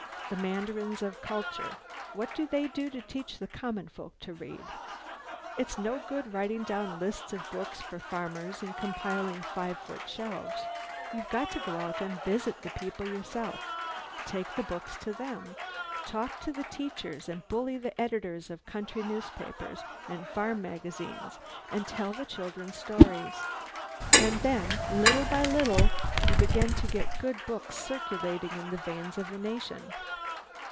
The mandarins of culture what do they do to teach the common folk to read? It's no good writing down lists of books for farmers and compiling five foot shelves; you've got to go out and visit the people yourself take the books to them, talk to the teachers and bully the editors of country newspapers and farm magazines and tell the children stories and then little by little you begin to get good books circulating in the veins of the nation.